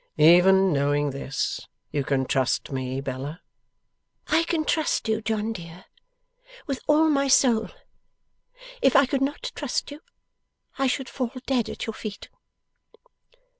'Even knowing this, you can trust me, Bella?' 'I can trust you, John dear, with all my soul. If I could not trust you, I should fall dead at your feet.